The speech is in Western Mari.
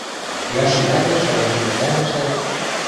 Яши вӓтӹ шаяжым пӹтӓрӹшӓт: